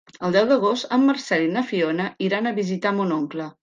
El deu d'agost en Marcel i na Fiona iran a visitar mon oncle.